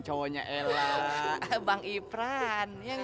kalau ga sprouts ya